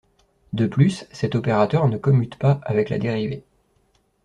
De plus cet opérateur ne commute pas avec la dérivée.